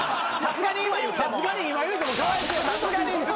さすがに今言うてもかわいそう。